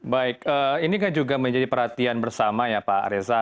baik ini kan juga menjadi perhatian bersama ya pak reza